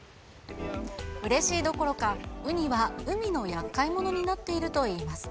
うれしいどころか、ウニは海のやっかい者になっているといいます。